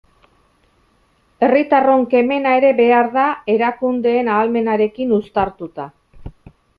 Herritarron kemena ere behar da, erakundeen ahalmenarekin uztartuta.